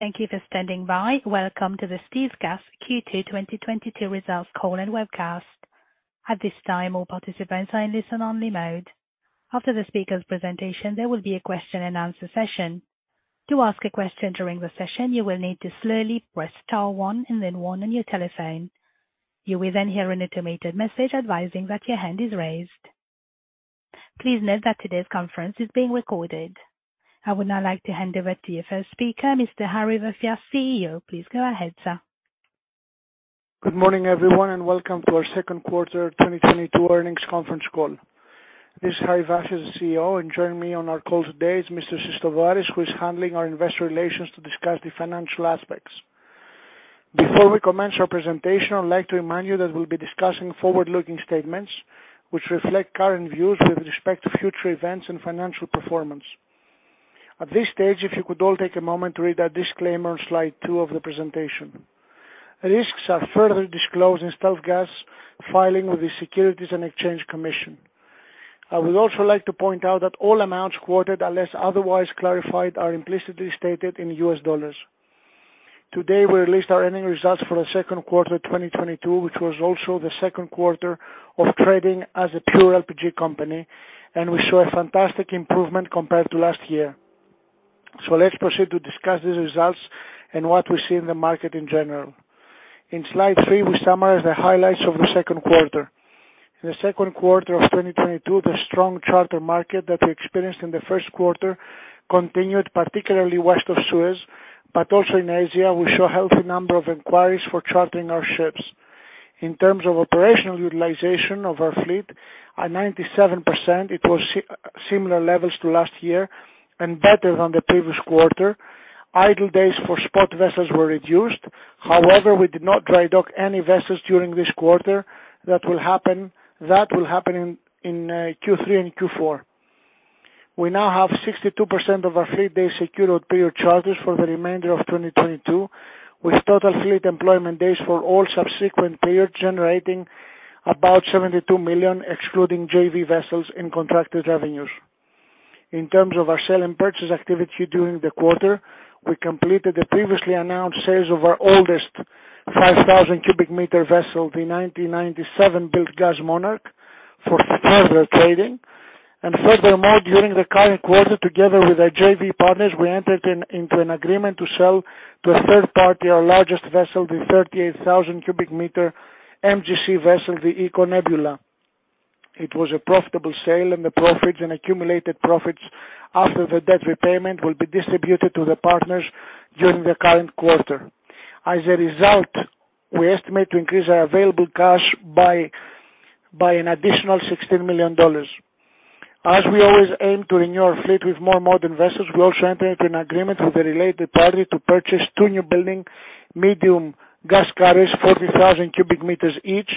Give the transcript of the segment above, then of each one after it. Thank you for standing by. Welcome to the StealthGas Q2 2022 results call and webcast. At this time, all participants are in listen only mode. After the speaker's presentation, there will be a question and answer session. To ask a question during the session, you will need to slowly press star one and then one on your telephone. You will then hear an automated message advising that your hand is raised. Please note that today's conference is being recorded. I would now like to hand over to our first speaker, Mr. Harry Vafias, CEO. Please go ahead, sir. Good morning, everyone, and welcome to our second quarter 2022 earnings conference call. This is Harry Vafias, the CEO, and joining me on our call today is Mr. Konstantinos Sistovaris, who is handling our investor relations to discuss the financial aspects. Before we commence our presentation, I'd like to remind you that we'll be discussing forward-looking statements which reflect current views with respect to future events and financial performance. At this stage, if you could all take a moment to read our disclaimer on slide 2 of the presentation. Risks are further disclosed in StealthGas filing with the Securities and Exchange Commission. I would also like to point out that all amounts quoted, unless otherwise clarified, are implicitly stated in U.S. dollars. Today, we released our earnings results for the second quarter 2022, which was also the second quarter of trading as a pure LPG company, and we saw a fantastic improvement compared to last year. Let's proceed to discuss these results and what we see in the market in general. In slide 3, we summarize the highlights of the second quarter. In the second quarter of 2022, the strong charter market that we experienced in the first quarter continued particularly west of Suez, but also in Asia, we saw a healthy number of inquiries for chartering our ships. In terms of operational utilization of our fleet, at 97% it was similar levels to last year and better than the previous quarter. Idle days for spot vessels were reduced. However, we did not dry dock any vessels during this quarter. That will happen in Q3 and Q4. We now have 62% of our fleet days secured on period charters for the remainder of 2022, with total fleet employment days for all subsequent periods generating about $72 million, excluding JV vessels and contracted revenues. In terms of our sale and purchase activity during the quarter, we completed the previously announced sales of our oldest 5,000 cubic meter vessel, the 1997-built Gas Monarch for further trading. Furthermore, during the current quarter, together with our JV partners, we entered into an agreement to sell to a third party our largest vessel, the 38,000 cubic meter MGC vessel, the Eco Nebula. It was a profitable sale and the profits and accumulated profits after the debt repayment will be distributed to the partners during the current quarter. As a result, we estimate to increase our available cash by an additional $16 million. We always aim to renew our fleet with more modern vessels. We also entered into an agreement with a related party to purchase two new building medium gas carriers, 40,000 cubic meters each,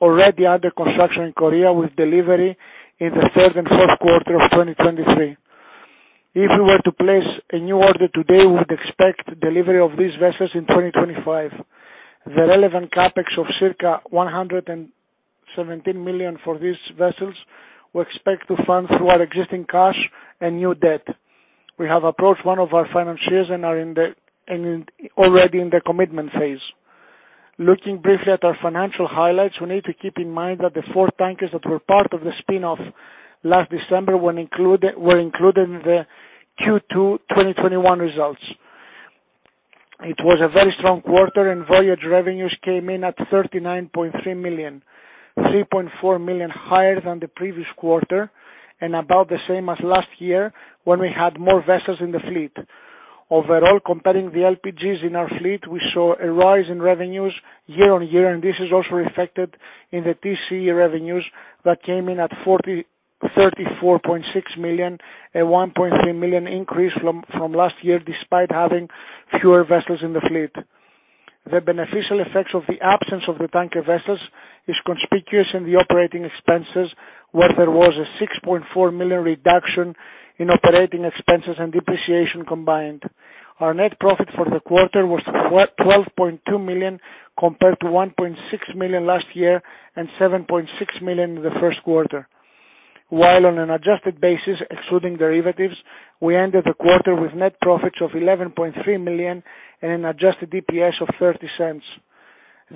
already under construction in Korea with delivery in the third and fourth quarter of 2023. If we were to place a new order today, we would expect delivery of these vessels in 2025. The relevant CapEx of circa $117 million for these vessels, we expect to fund through our existing cash and new debt. We have approached one of our financiers and are already in the commitment phase. Looking briefly at our financial highlights, we need to keep in mind that the four tankers that were part of the spin-off last December when included were included in the Q2 2021 results. It was a very strong quarter and voyage revenues came in at $39.3 million, $3.4 million higher than the previous quarter and about the same as last year when we had more vessels in the fleet. Overall, comparing the LPGs in our fleet, we saw a rise in revenues year-on-year, and this is also reflected in the TCE revenues that came in at $34.6 million, a $1.3 million increase from last year, despite having fewer vessels in the fleet. The beneficial effects of the absence of the tanker vessels is conspicuous in the operating expenses, where there was a $6.4 million reduction in operating expenses and depreciation combined. Our net profit for the quarter was $12.2 million, compared to $1.6 million last year and $7.6 million in the first quarter. While on an adjusted basis, excluding derivatives, we ended the quarter with net profits of $11.3 million and an adjusted DPS of $0.30.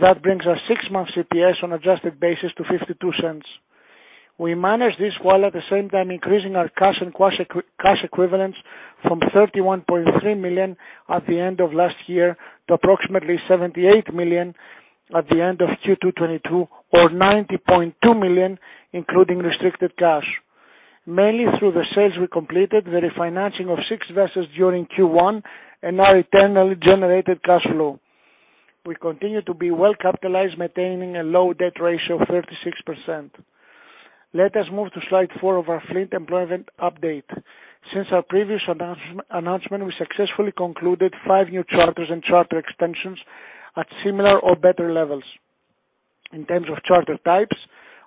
That brings our six-month DPS on adjusted basis to $0.52. We managed this while at the same time increasing our cash and quasi-cash equivalents from $31.3 million at the end of last year to approximately $78 million at the end of Q2 2022 or $90.2 million, including restricted cash. Mainly through the sales we completed the refinancing of 6 vessels during Q1 and our internally generated cash flow. We continue to be well-capitalized, maintaining a low debt ratio of 36%. Let us move to slide 4 of our fleet employment update. Since our previous announcement, we successfully concluded 5 new charters and charter extensions at similar or better levels. In terms of charter types,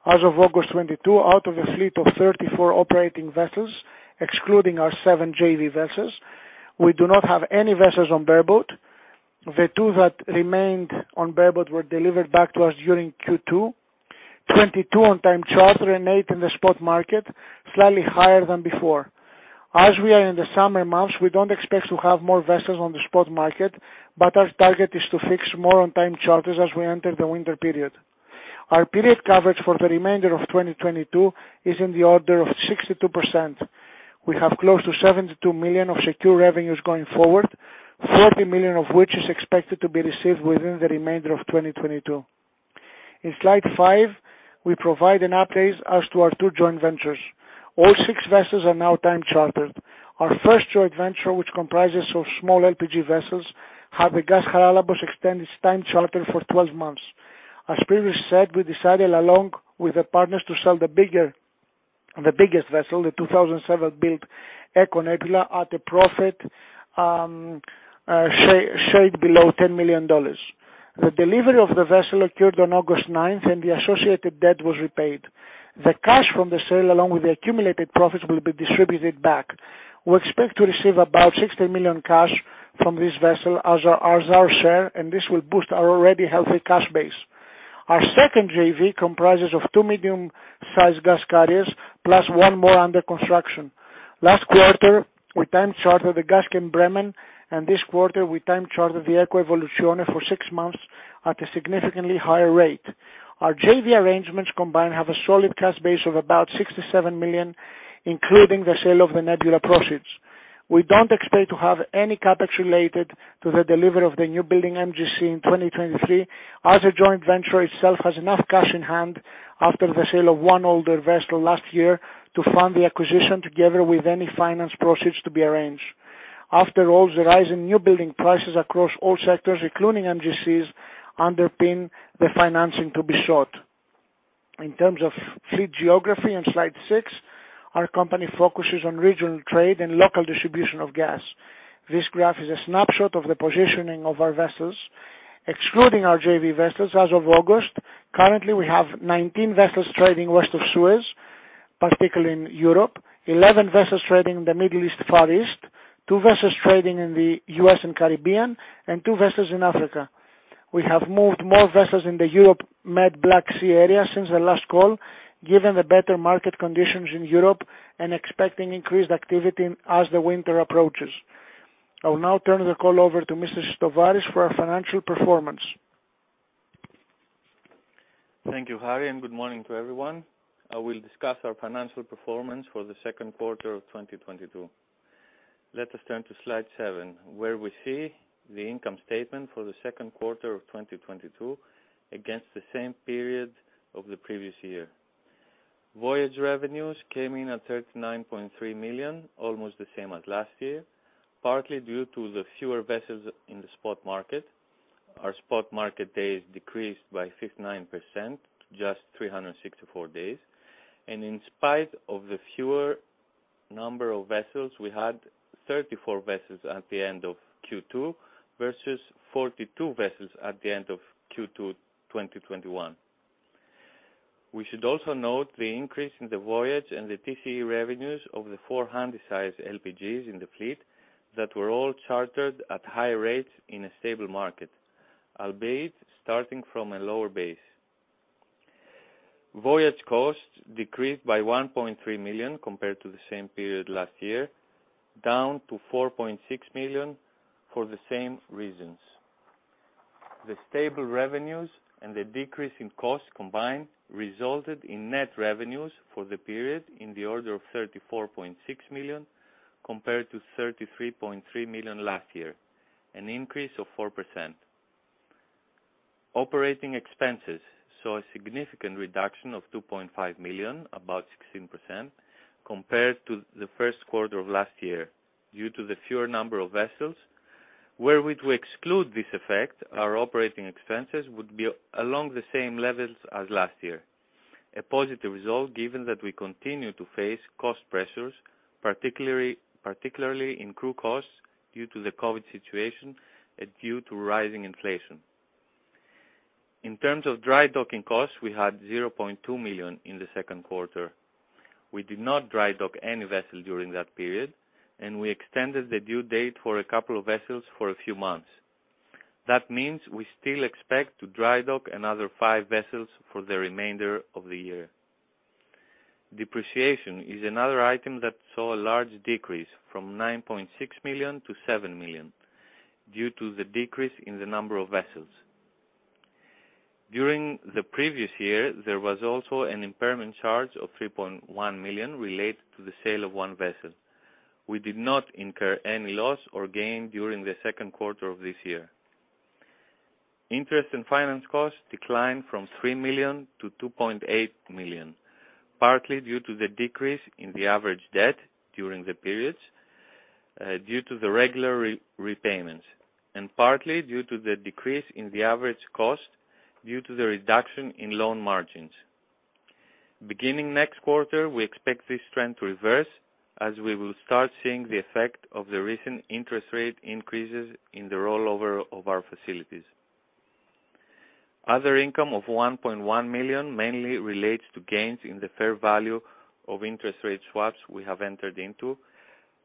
as of August 2022, out of a fleet of 34 operating vessels, excluding our 7 JV vessels, we do not have any vessels on bareboat. The 2 that remained on bareboat were delivered back to us during Q2 2022 on time charter and 8 in the spot market, slightly higher than before. As we are in the summer months, we don't expect to have more vessels on the spot market, but our target is to fix more on time charters as we enter the winter period. Our period coverage for the remainder of 2022 is in the order of 62%. We have close to $72 million of secure revenues going forward, $40 million of which is expected to be received within the remainder of 2022. In slide five, we provide an update as to our two joint ventures. All six vessels are now time chartered. Our first joint venture, which comprises of small LPG vessels, had the Gas Haralambos extend its time charter for 12 months. As previously said, we decided, along with the partners, to sell the biggest vessel, the 2007-built Eco Nebula at a profit, shade below $10 million. The delivery of the vessel occurred on August ninth, and the associated debt was repaid. The cash from the sale, along with the accumulated profits, will be distributed back. We expect to receive about $60 million cash from this vessel as our share, and this will boost our already healthy cash base. Our second JV comprises of two medium-sized gas carriers, plus one more under construction. Last quarter, we time chartered the Gaschem Bremen, and this quarter we time chartered the Eco Evolution for six months at a significantly higher rate. Our JV arrangements combined have a solid cash base of about $67 million, including the sale of the Nebula proceeds. We don't expect to have any CapEx related to the delivery of the new building MGC in 2023, as the joint venture itself has enough cash in hand after the sale of 1 older vessel last year to fund the acquisition together with any finance proceeds to be arranged. After all, the rise in new building prices across all sectors, including MGCs, underpin the financing to be sought. In terms of fleet geography on slide 6, our company focuses on regional trade and local distribution of gas. This graph is a snapshot of the positioning of our vessels. Excluding our JV vessels as of August, currently we have 19 vessels trading West of Suez, particularly in Europe, 11 vessels trading in the Middle East/Far East, 2 vessels trading in the U.S. and Caribbean, and 2 vessels in Africa. We have moved more vessels in the Europe Med Black Sea area since the last call, given the better market conditions in Europe and expecting increased activity as the winter approaches. I will now turn the call over to Mr. Sistovaris for our financial performance. Thank you, Harry, and good morning to everyone. I will discuss our financial performance for the second quarter of 2022. Let us turn to slide 7, where we see the income statement for the second quarter of 2022 against the same period of the previous year. Voyage revenues came in at $39.3 million, almost the same as last year, partly due to the fewer vessels in the spot market. Our spot market days decreased by 59% to just 364 days. In spite of the fewer number of vessels, we had 34 vessels at the end of Q2 versus 42 vessels at the end of Q2 2021. We should also note the increase in the voyage and the TCE revenues of the four handy-sized LPGs in the fleet that were all chartered at high rates in a stable market, albeit starting from a lower base. Voyage costs decreased by $1.3 million compared to the same period last year, down to $4.6 million for the same reasons. The stable revenues and the decrease in costs combined resulted in net revenues for the period in the order of $34.6 million, compared to $33.3 million last year, an increase of 4%. Operating expenses saw a significant reduction of $2.5 million, about 16%, compared to the first quarter of last year due to the fewer number of vessels. Were we to exclude this effect, our operating expenses would be along the same levels as last year. A positive result given that we continue to face cost pressures, particularly in crew costs due to the COVID situation and due to rising inflation. In terms of dry docking costs, we had $0.2 million in the second quarter. We did not dry dock any vessel during that period, and we extended the due date for a couple of vessels for a few months. That means we still expect to dry dock another five vessels for the remainder of the year. Depreciation is another item that saw a large decrease from $9.6 million-$7 million due to the decrease in the number of vessels. During the previous year, there was also an impairment charge of $3.1 million related to the sale of one vessel. We did not incur any loss or gain during the second quarter of this year. Interest and finance costs declined from $3 million-$2.8 million, partly due to the decrease in the average debt during the periods, due to the regular repayments, and partly due to the decrease in the average cost due to the reduction in loan margins. Beginning next quarter, we expect this trend to reverse as we will start seeing the effect of the recent interest rate increases in the rollover of our facilities. Other income of $1.1 million mainly relates to gains in the fair value of interest rate swaps we have entered into,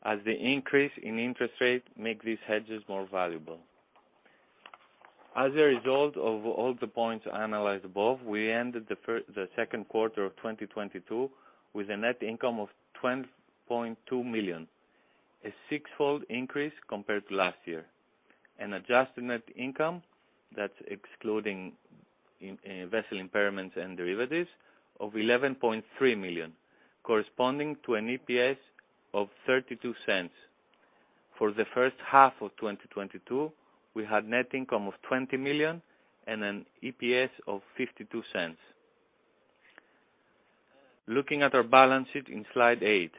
as the increase in interest rate make these hedges more valuable. As a result of all the points analyzed above, we ended the second quarter of 2022 with a net income of $20.2 million, a six-fold increase compared to last year, and adjusted net income, that's excluding vessel impairments and derivatives, of $11.3 million, corresponding to an EPS of $0.32. For the first half of 2022, we had net income of $20 million and an EPS of $0.52. Looking at our balance sheet in slide 8,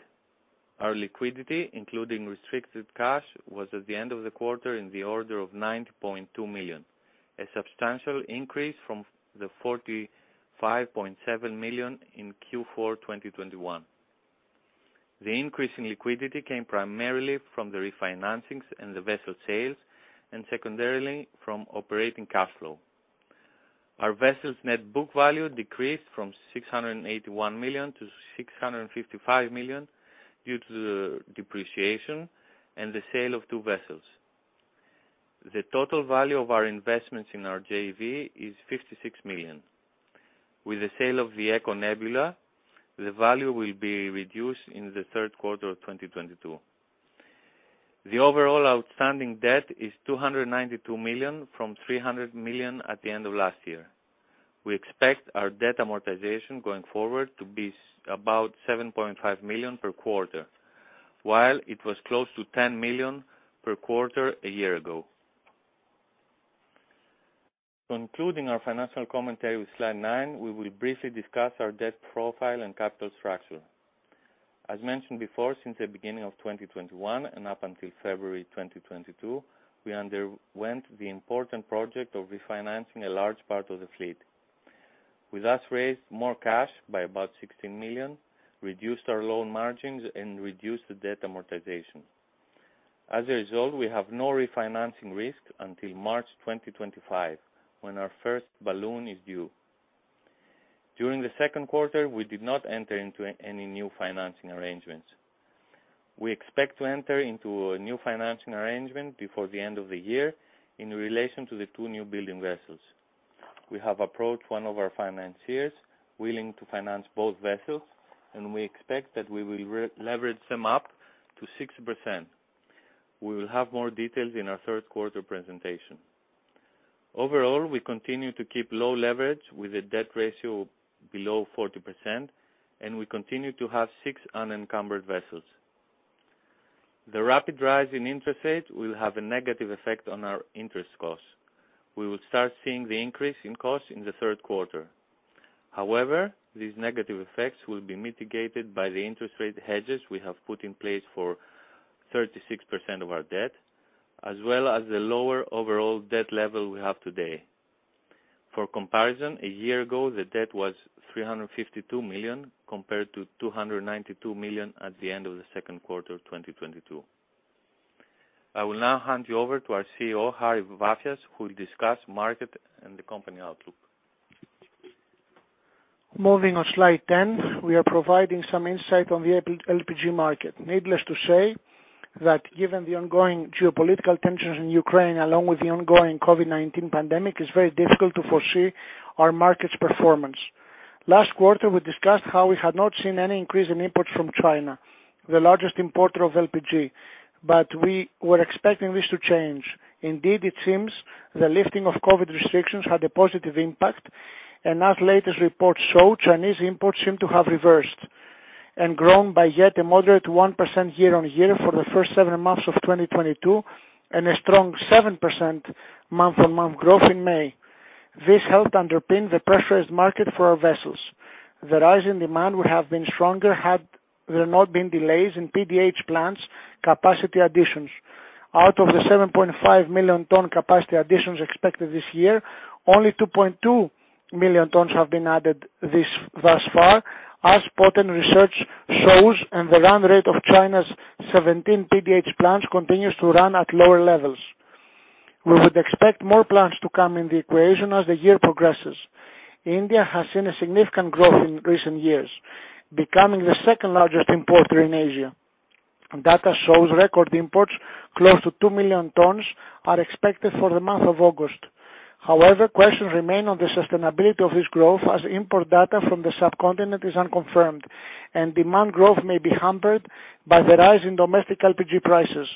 our liquidity, including restricted cash, was at the end of the quarter in the order of $9.2 million, a substantial increase from the $45.7 million in Q4 2021. The increase in liquidity came primarily from the refinancing and the vessel sales, and secondarily from operating cash flow. Our vessels net book value decreased from $681 million-$655 million due to the depreciation and the sale of two vessels. The total value of our investments in our JV is $56 million. With the sale of the Eco Nebula, the value will be reduced in the third quarter of 2022. The overall outstanding debt is $292 million from $300 million at the end of last year. We expect our debt amortization going forward to be about $7.5 million per quarter, while it was close to $10 million per quarter a year ago. Concluding our financial commentary with slide 9, we will briefly discuss our debt profile and capital structure. As mentioned before, since the beginning of 2021 and up until February 2022, we underwent the important project of refinancing a large part of the fleet. We thus raised more cash by about $16 million, reduced our loan margins, and reduced the debt amortization. As a result, we have no refinancing risk until March 2025, when our first balloon is due. During the second quarter, we did not enter into any new financing arrangements. We expect to enter into a new financing arrangement before the end of the year in relation to the two newbuilding vessels. We have approached one of our financiers willing to finance both vessels, and we expect that we will re-leverage them up to 60%. We will have more details in our third quarter presentation. Overall, we continue to keep low leverage with a debt ratio below 40%, and we continue to have six unencumbered vessels. The rapid rise in interest rates will have a negative effect on our interest costs. We will start seeing the increase in costs in the third quarter. However, these negative effects will be mitigated by the interest rate hedges we have put in place for 36% of our debt, as well as the lower overall debt level we have today. For comparison, a year ago, the debt was $352 million compared to $292 million at the end of the second quarter of 2022. I will now hand you over to our CEO, Harry Vafias, who will discuss market and the company outlook. Moving on slide 10, we are providing some insight on the AP-LPG market. Needless to say that given the ongoing geopolitical tensions in Ukraine, along with the ongoing COVID-19 pandemic, it's very difficult to foresee our market's performance. Last quarter, we discussed how we had not seen any increase in imports from China, the largest importer of LPG, but we were expecting this to change. Indeed, it seems the lifting of COVID restrictions had a positive impact, and as latest reports show, Chinese imports seem to have reversed and grown by yet a moderate 1% year-on-year for the first 7 months of 2022, and a strong 7% month-on-month growth in May. This helped underpin the pressurized market for our vessels. The rise in demand would have been stronger had there not been delays in PDH plants capacity additions. Out of the 7.5 million ton capacity additions expected this year, only 2.2 million tons have been added thus far, as Poten research shows, and the run rate of China's 17 PDH plants continues to run at lower levels. We would expect more plants to come in the equation as the year progresses. India has seen a significant growth in recent years, becoming the second largest importer in Asia. Data shows record imports close to 2 million tons are expected for the month of August. However, questions remain on the sustainability of this growth as import data from the subcontinent is unconfirmed, and demand growth may be hampered by the rise in domestic LPG prices.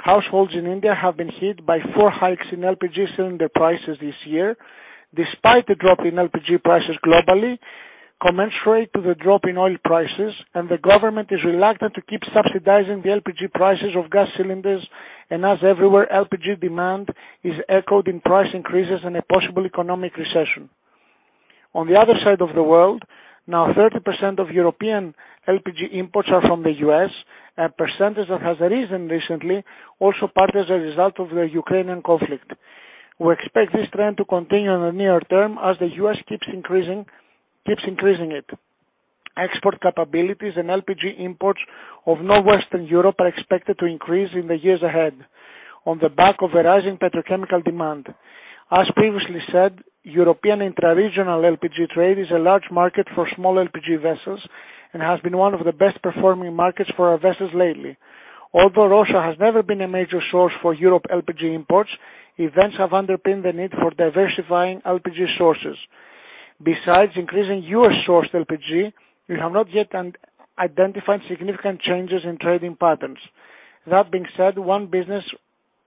Households in India have been hit by four hikes in LPG cylinder prices this year, despite the drop in LPG prices globally commensurate to the drop in oil prices, and the government is reluctant to keep subsidizing the LPG prices of gas cylinders, and as everywhere, LPG demand is echoed in price increases and a possible economic recession. On the other side of the world, now 30% of European LPG imports are from the U.S, a percentage that has risen recently, also partly as a result of the Ukrainian conflict. We expect this trend to continue in the near term as the U.S. keeps increasing it. Export capabilities and LPG imports of North Western Europe are expected to increase in the years ahead on the back of a rise in petrochemical demand. As previously said, European intra-regional LPG trade is a large market for small LPG vessels and has been one of the best performing markets for our vessels lately. Although Russia has never been a major source for Europe LPG imports, events have underpinned the need for diversifying LPG sources. Besides increasing U.S. sourced LPG, we have not yet identified significant changes in trading patterns. That being said, one business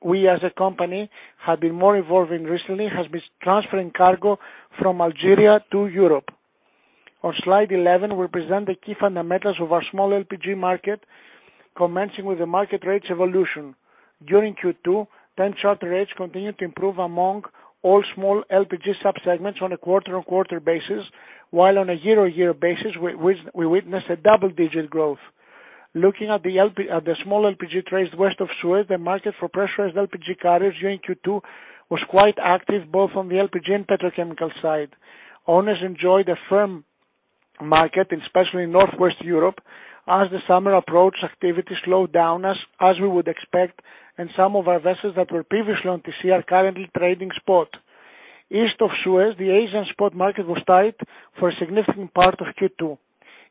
we as a company have been more involved in recently has been transferring cargo from Algeria to Europe. On slide 11, we present the key fundamentals of our small LPG market, commencing with the market rates evolution. During Q2, TCE charter rates continued to improve among all small LPG subsegments on a quarter-on-quarter basis, while on a year-on-year basis we witnessed a double-digit growth. Looking at the small LPG trades west of Suez, the market for pressurized LPG carriers during Q2 was quite active, both on the LPG and petrochemical side. Owners enjoyed a firm market, especially in Northwest Europe. As the summer approached, activity slowed down as we would expect, and some of our vessels that were previously on TC are currently trading spot. East of Suez, the Asian spot market was tight for a significant part of Q2.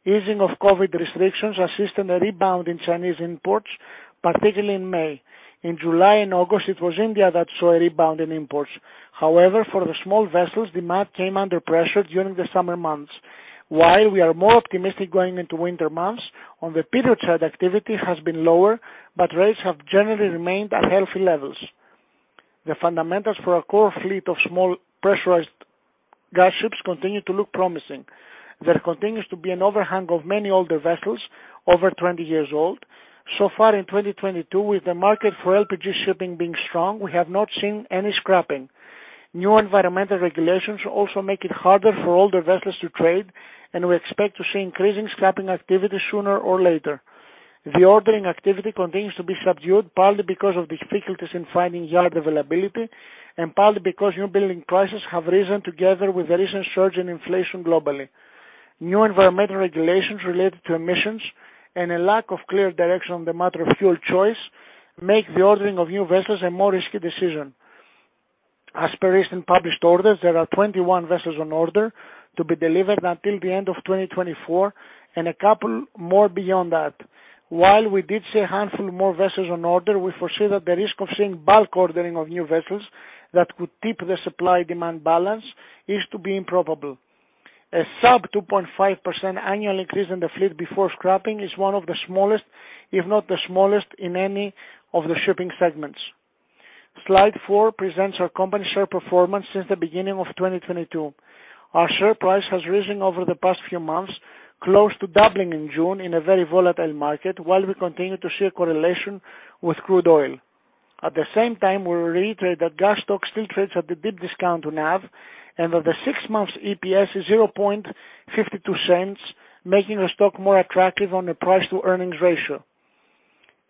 Easing of COVID restrictions assisted a rebound in Chinese imports, particularly in May. In July and August, it was India that saw a rebound in imports. However, for the small vessels, demand came under pressure during the summer months. While we are more optimistic going into winter months, on the petchem trade activity has been lower, but rates have generally remained at healthy levels. The fundamentals for our core fleet of small pressurized gas ships continue to look promising. There continues to be an overhang of many older vessels over 20 years old. So far in 2022, with the market for LPG shipping being strong, we have not seen any scrapping. New environmental regulations also make it harder for older vessels to trade, and we expect to see increasing scrapping activity sooner or later. The ordering activity continues to be subdued, partly because of difficulties in finding yard availability and partly because new building prices have risen together with the recent surge in inflation globally. New environmental regulations related to emissions and a lack of clear direction on the matter of fuel choice make the ordering of new vessels a more risky decision. As per recent published orders, there are 21 vessels on order to be delivered until the end of 2024, and a couple more beyond that. While we did see a handful of more vessels on order, we foresee that the risk of seeing bulk ordering of new vessels that could tip the supply-demand balance is to be improbable. A sub 2.5% annual increase in the fleet before scrapping is one of the smallest, if not the smallest, in any of the shipping segments. Slide 4 presents our company share performance since the beginning of 2022. Our share price has risen over the past few months, close to doubling in June in a very volatile market, while we continue to see a correlation with crude oil. At the same time, we reiterate that StealthGas still trades at a deep discount on NAV, and that the six months EPS is $0.52, making our stock more attractive on a price-to-earnings ratio.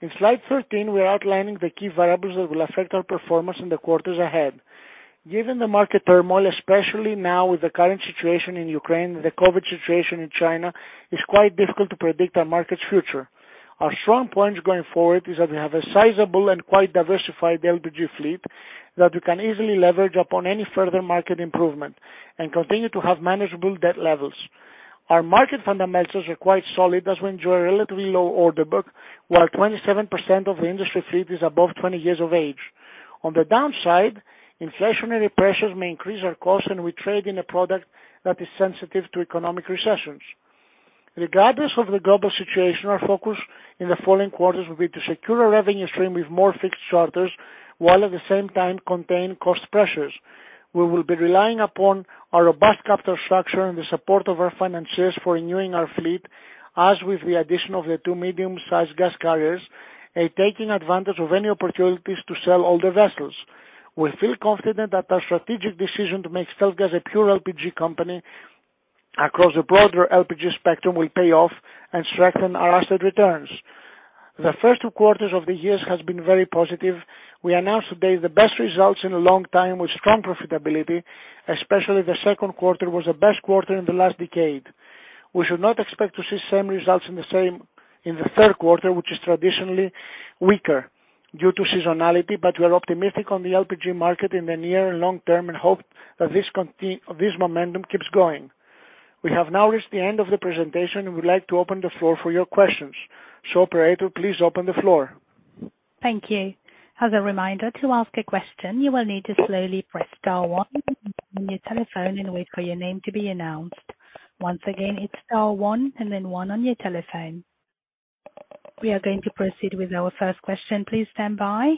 In slide 13, we are outlining the key variables that will affect our performance in the quarters ahead. Given the market turmoil, especially now with the current situation in Ukraine and the COVID situation in China, it's quite difficult to predict our market's future. Our strong points going forward is that we have a sizable and quite diversified LPG fleet that we can easily leverage upon any further market improvement and continue to have manageable debt levels. Our market fundamentals are quite solid as we enjoy a relatively low order book, while 27% of the industry fleet is above 20 years of age. On the downside, inflationary pressures may increase our costs, and we trade in a product that is sensitive to economic recessions. Regardless of the global situation, our focus in the following quarters will be to secure a revenue stream with more fixed charters, while at the same time contain cost pressures. We will be relying upon our robust capital structure and the support of our financiers for renewing our fleet, as with the addition of the 2 medium-sized gas carriers, and taking advantage of any opportunities to sell older vessels. We feel confident that our strategic decision to make StealthGas a pure LPG company across the broader LPG spectrum will pay off and strengthen our asset returns. The first two quarters of the years has been very positive. We announced today the best results in a long time with strong profitability, especially the second quarter was the best quarter in the last decade. We should not expect to see the same results in the third quarter, which is traditionally weaker due to seasonality, but we are optimistic on the LPG market in the near and long term and hope that this momentum keeps going. We have now reached the end of the presentation and would like to open the floor for your questions. Operator, please open the floor. Thank you. As a reminder, to ask a question, you will need to slowly press star one on your telephone and wait for your name to be announced. Once again, it's star one and then one on your telephone. We are going to proceed with our first question. Please stand by.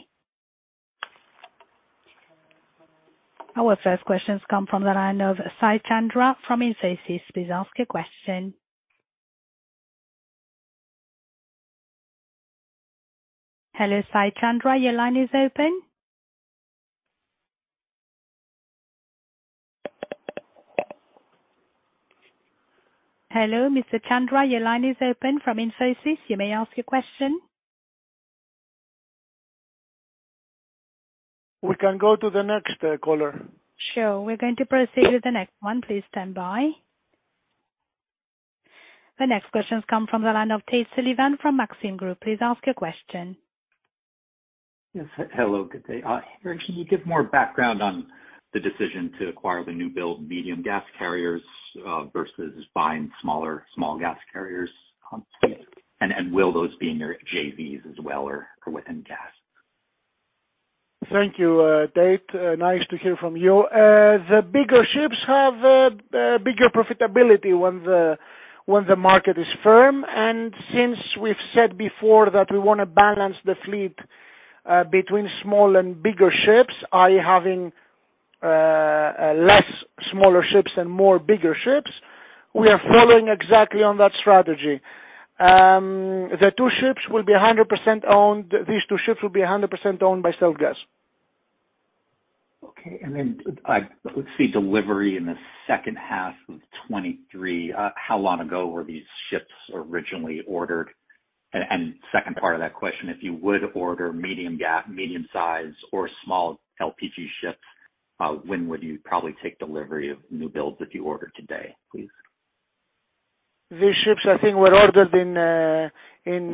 Our first question comes from the line of Sai Chandra from Infosys. Please ask your question. Hello, Sai Chandra, your line is open. Hello, Mr. Chandra, your line is open from Infosys. You may ask your question. We can go to the next caller. Sure. We're going to proceed with the next one. Please stand by. The next question comes from the line of Tate Sullivan from Maxim Group. Please ask your question. Yes. Hello, good day. Harry, can you give more background on the decision to acquire the newbuild medium gas carriers versus buying smaller gas carriers on spec? Will those be in your JVs as well or within GasLog? Thank you, Tate. Nice to hear from you. The bigger ships have a bigger profitability when the market is firm. Since we've said before that we wanna balance the fleet between small and bigger ships by having less smaller ships and more bigger ships, we are following exactly on that strategy. The two ships will be 100% owned. These two ships will be 100% owned by StealthGas. Okay. I, let's see delivery in the second half of 2023, how long ago were these ships originally ordered? Second part of that question, if you would order medium-size or small LPG ships, when would you probably take delivery of new builds if you order today, please? These ships I think were ordered in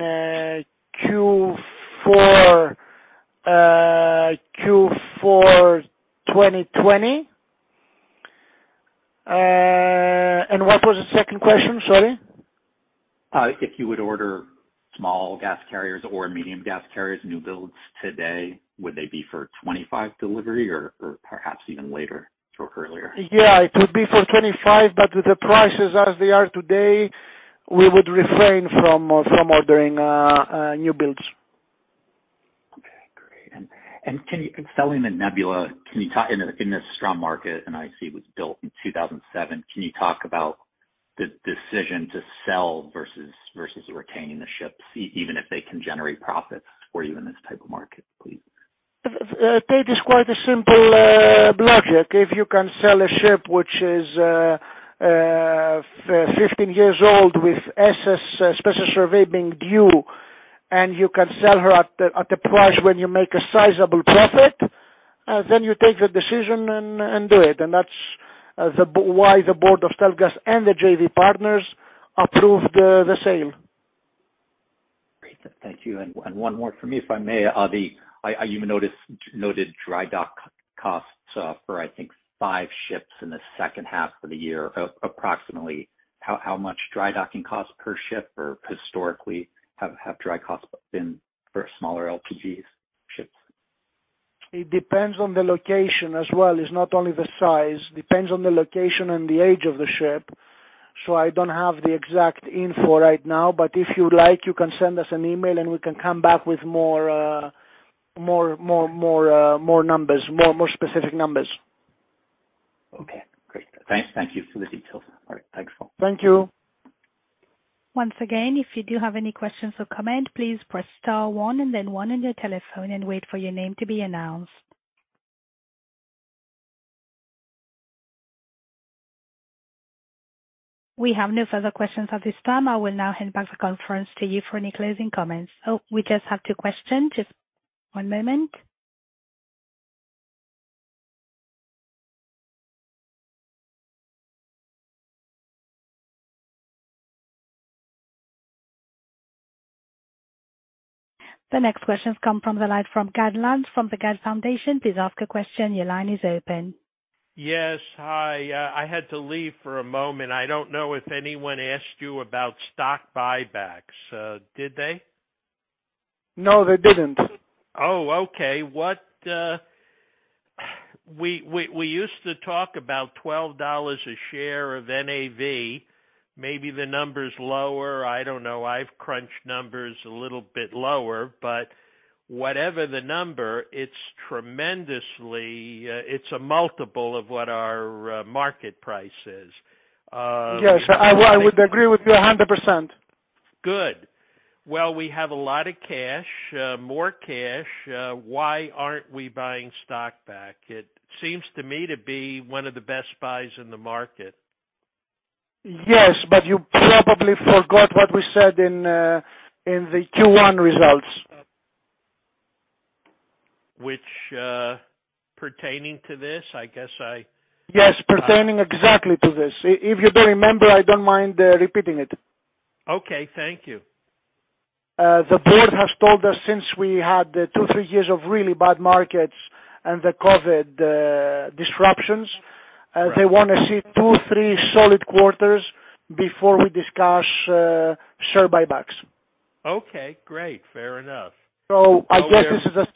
Q4 2020. What was the second question? Sorry. If you would order small gas carriers or medium gas carriers, new builds today, would they be for 2025 delivery or perhaps even later or earlier? Yeah, it would be for 2025, but with the prices as they are today, we would refrain from ordering new builds. Okay, great. Selling the Nebula, can you talk in the strong market, and I see it was built in 2007? Can you talk about the decision to sell versus retaining the ships even if they can generate profits for you in this type of market, please? Tate, it's quite a simple logic. If you can sell a ship which is 15 years old with SS, special survey being due, and you can sell her at a price when you make a sizable profit, then you take the decision and do it. That's why the board of StealthGas and the JV partners approved the sale. Great. Thank you. One more from me, if I may. I even noticed dry dock costs for I think 5 ships in the second half of the year, approximately how much dry docking costs per ship or historically have dry costs been for smaller LPG ships? It depends on the location as well, it's not only the size. Depends on the location and the age of the ship. I don't have the exact info right now. But if you like, you can send us an email and we can come back with more specific numbers. Okay, great. Thanks. Thank you for the details. All right. Thanks. Thank you. Once again, if you do have any questions or comment, please press star one and then one on your telephone and wait for your name to be announced. We have no further questions at this time. I will now hand back the conference to you for any closing comments. Oh, we just have two questions. Just one moment. The next question comes from the line of Climent Molins from Value Investor's Edge. Please ask your question. Your line is open. Yes. Hi. I had to leave for a moment. I don't know if anyone asked you about stock buybacks. Did they? No, they didn't. We used to talk about $12 a share of NAV. Maybe the number's lower. I don't know. I've crunched numbers a little bit lower. Whatever the number, it's tremendously, it's a multiple of what our market price is. Yes. Well, I would agree with you 100%. Good. Well, we have a lot of cash, more cash. Why aren't we buying stock back? It seems to me to be one of the best buys in the market. Yes, you probably forgot what we said in the Q1 results. Which, pertaining to this, I guess I Yes. Pertaining exactly to this. If you don't remember, I don't mind repeating it. Okay. Thank you. The board has told us since we had 2 years, 3 years of really bad markets and the COVID disruptions. Right. They wanna see two, three solid quarters before we discuss share buybacks. Okay, great. Fair enough. I guess this is the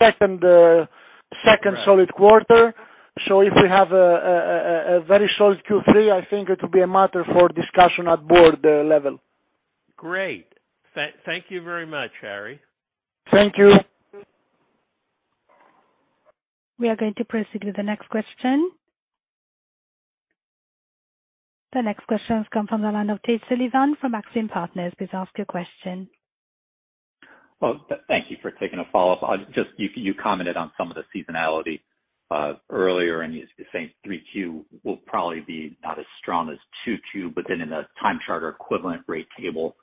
second solid quarter. If we have a very solid Q3, I think it will be a matter for discussion at board level. Great. Thank you very much, Harry. Thank you. We are going to proceed with the next question. The next question comes from the line of Tate Sullivan from Maxim Group. Please ask your question. Well, thank you for taking a follow-up. I just, you commented on some of the seasonality earlier, and you're saying 3Q will probably be not as strong as 2Q, but then in the time charter equivalent rate table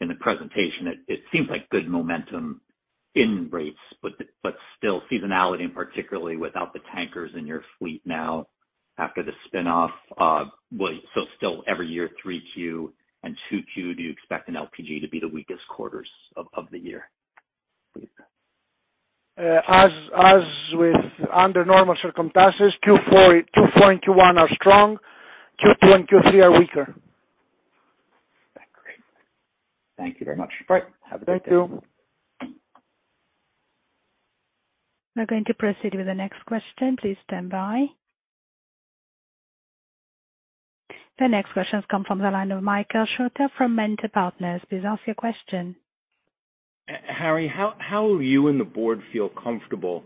in the presentation, it seems like good momentum. In rates, but still seasonality and particularly without the tankers in your fleet now after the spin-off, so still every year 3Q and 2Q, do you expect an LPG to be the weakest quarters of the year? As with under normal circumstances, 2024, 2021 are strong, 2022 and 2023 are weaker. Great. Thank you very much. Right. Thank you. Have a good day. We're going to proceed with the next question. Please stand by. The next question has come from the line of Michael Jolliffe from Mentor Partners. Please ask your question. Harry, how you and the board feel comfortable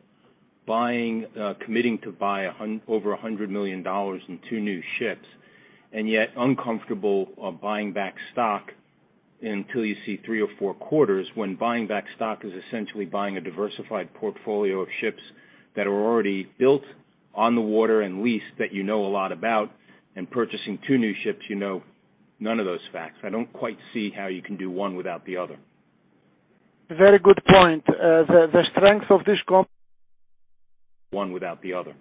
buying, committing to buy over $100 million in two new ships and yet uncomfortable of buying back stock until you see three or four quarters when buying back stock is essentially buying a diversified portfolio of ships that are already built on the water and leased that you know a lot about and purchasing two new ships, you know none of those facts. I don't quite see how you can do one without the other. Very good point. The strength of this company is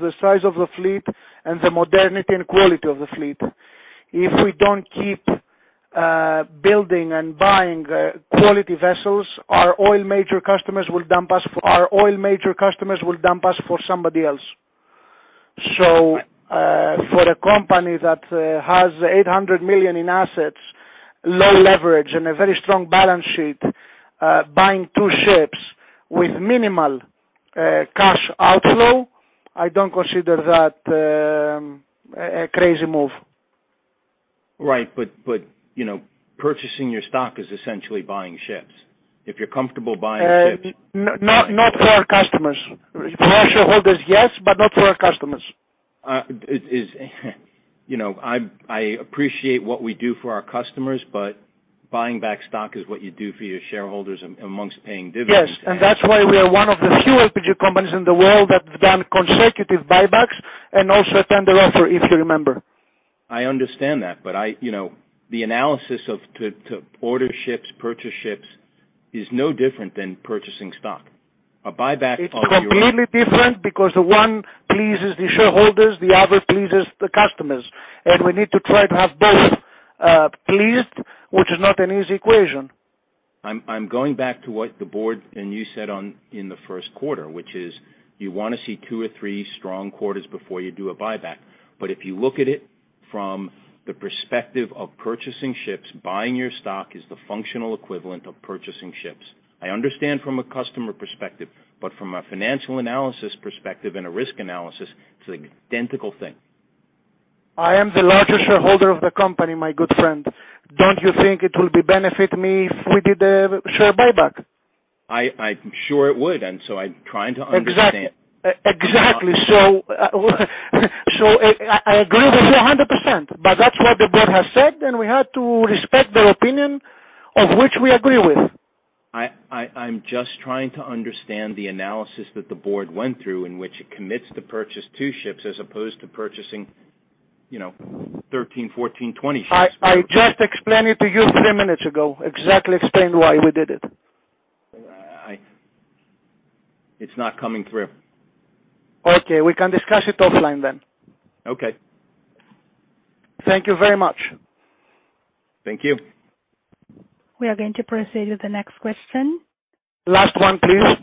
the size of the fleet and the modernity and quality of the fleet. If we don't keep building and buying quality vessels, our oil major customers will dump us for somebody else. For a company that has $800 million in assets, low leverage and a very strong balance sheet, buying two ships with minimal cash outflow, I don't consider that a crazy move. Right. You know, purchasing your stock is essentially buying ships. If you're comfortable buying ships. Not for our customers. For our shareholders, yes, but not for our customers. You know, I appreciate what we do for our customers, but buying back stock is what you do for your shareholders among paying dividends. Yes. That's why we are one of the few LPG companies in the world that have done consecutive buybacks and also a tender offer, if you remember. I understand that, but I, you know, the analysis of to order ships, purchase ships is no different than purchasing stock. A buyback of your- It's completely different because one pleases the shareholders, the other pleases the customers. We need to try to have both pleased, which is not an easy equation. I'm going back to what the board and you said in the first quarter, which is you wanna see two or three strong quarters before you do a buyback. If you look at it from the perspective of purchasing ships, buying your stock is the functional equivalent of purchasing ships. I understand from a customer perspective, but from a financial analysis perspective and a risk analysis, it's the identical thing. I am the largest shareholder of the company, my good friend. Don't you think it will benefit me if we did a share buyback? I'm sure it would. I'm trying to understand. Exactly. I agree with you 100%, but that's what the board has said, and we have to respect their opinion of which we agree with. I'm just trying to understand the analysis that the board went through in which it commits to purchase 2 ships as opposed to purchasing, you know, 13, 14, 20 ships. I just explained it to you three minutes ago. Exactly explained why we did it. It's not coming through. Okay. We can discuss it offline then. Okay. Thank you very much. Thank you. We are going to proceed to the next question. Last one, please.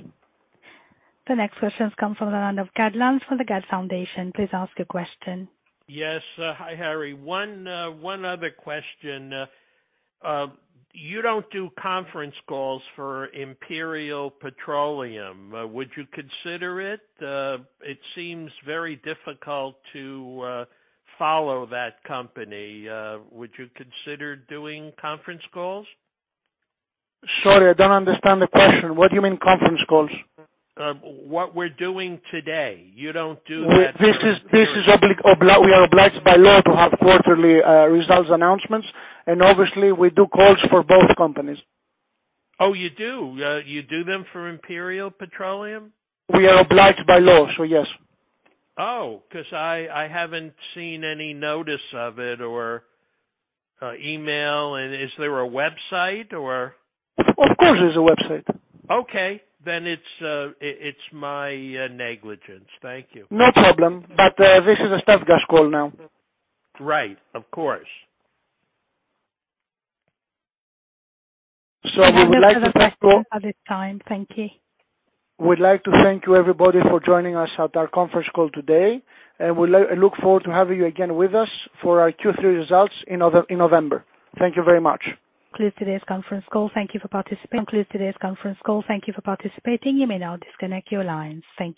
The next question comes from the line of Climent Molins from Value Investor's Edge. Please ask your question. Yes. Hi, Harry. One other question. You don't do conference calls for Imperial Petroleum. Would you consider it? It seems very difficult to follow that company. Would you consider doing conference calls? Sorry, I don't understand the question. What do you mean conference calls? What we're doing today. You don't do that for Imperial. We are obliged by law to have quarterly results announcements. Obviously we do calls for both companies. Oh, you do? You do them for Imperial Petroleum? We are obliged by law, so yes. Oh. 'Cause I haven't seen any notice of it or, email. Is there a website or? Of course there's a website. Okay. It's my negligence. Thank you. No problem. This is a StealthGas call now. Right. Of course. We would like to thank you- We have no further questions at this time. Thank you. We'd like to thank you everybody for joining us at our conference call today, and we look forward to having you again with us for our Q3 results in November. Thank you very much. Concluding today's conference call. Thank you for participating. You may now disconnect your lines. Thank you.